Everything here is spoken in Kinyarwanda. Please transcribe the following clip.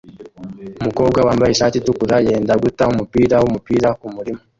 Umukobwa wambaye ishati itukura yenda guta umupira wumupira kumurima